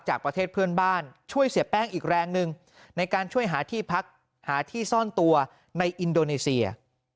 จากประเทศเพื่อนบ้านช่วยเสียแป้งอีกแรงหนึ่งในการช่วยหาที่พักหาที่ซ่อนตัวในอินโดนีเซีย